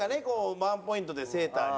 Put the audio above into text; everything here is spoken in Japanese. ワンポイントでセーターに。